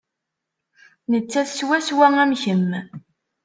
Nettat swaswa am kemm.